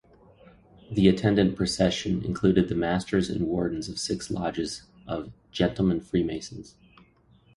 The attendant procession included the Masters and Wardens of six lodges of "Gentleman Freemasons".